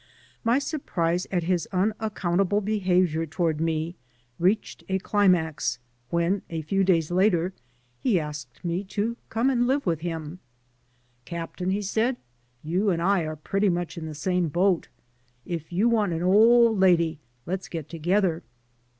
My surprise at his unaccountable behavior toward me reached a climax when, a few days later, he asked me 241 AN AMERICAN IN THE MAKING to come and live with him. "Captain," he said, "you and I are pretty much in the same boat. If you want an old lady let's get together."